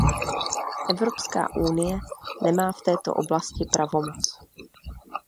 Evropská unie nemá v této oblasti pravomoc.